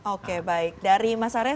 oke baik dari mas arya